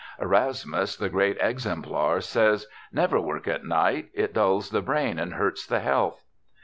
Erasmus, the great exemplar, says, "Never work at night; it dulls the brain and hurts the health."